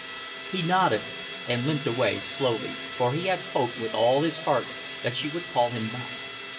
He nodded and limped away slowly, for he hoped with all his heart that she would call him back.